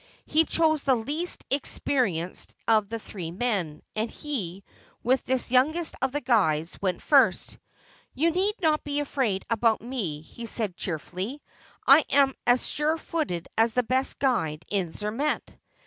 He chose the least experienced of the three men, and he, with this youngest of the guides, went first. '" You need not be afraid about me," he said cheerily. " I am as sure footed as the best guide in Zermatt.'